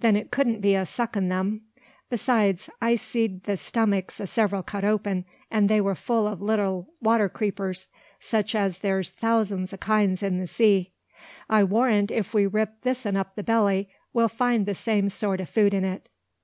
"Then it couldn't be a suckin' them. Besides, I've seed the stomachs o' several cut open, and they were full of little water creepers, such as there's thousands o' kinds in the sea. I warrant if we rip this 'un up the belly, we'll find the same sort o' food in it."